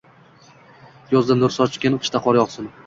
Yozda nurlar sochgin, qishda qor yog‘sin